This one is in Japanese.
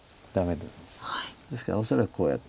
ですから恐らくこうやる。